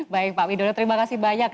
baik pak widodo terima kasih banyak